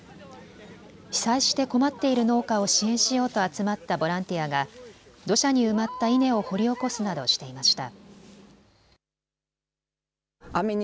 被災して困っている農家を支援しようと集まったボランティアが土砂に埋まった稲を掘り起こすなどしていました。